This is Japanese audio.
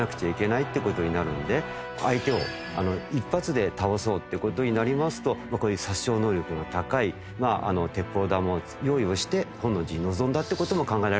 相手を一発で倒そうって事になりますとこういう殺傷能力が高い鉄砲玉の用意をして本能寺に臨んだって事も考えられるんじゃないでしょうか。